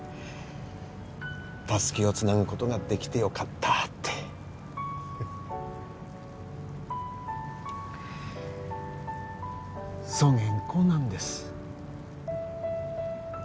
タスキをつなぐことができてよかったってそげん子なんです